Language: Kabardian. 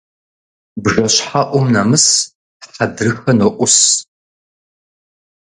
БжэщхьэӀум нэмыс хьэдрыхэ ноӀус.